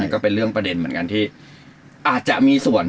ก็เป็นเรื่องประเด็นเหมือนกันที่อาจจะมีส่วน